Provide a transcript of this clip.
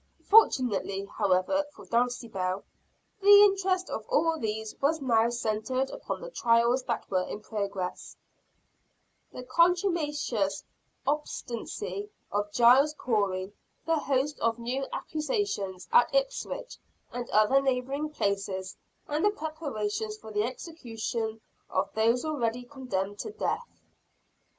Fortunately, however, for Dulcibel, the interest of all these was now centered upon the trials that were in progress, the contumacious obstinacy of Giles Corey, the host of new accusations at Ipswich and other neighboring places, and the preparations for the execution of those already condemned to death.